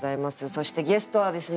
そしてゲストはですね